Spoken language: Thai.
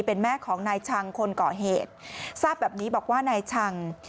เป็นแม่ของนายชังคนก่อเหตุทราบแบบนี้บอกว่านายชัง